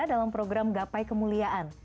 dalam program gapai kemuliaan